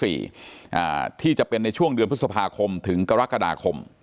อ่าที่จะเป็นในช่วงเดือนพฤษภาคมถึงกรกฎาคม